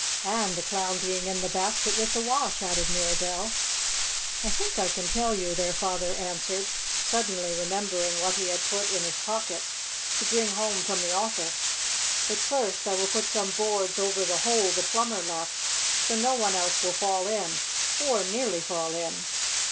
"And a Clown being in the basket with the wash?" added Mirabell. "I think I can tell you," their father answered, suddenly remembering what he had put in his pocket to bring home from the office. "But first I will put some boards over the hole the plumber left so no one else will fall in, or nearly fall in."